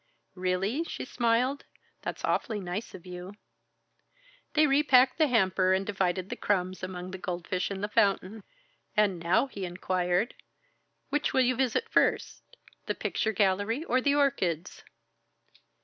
"Really?" she smiled. "That's awfully nice of you!" They repacked the hamper and divided the crumbs among the goldfish in the fountain. "And now," he inquired, "which will you visit first the picture gallery or the orchids?"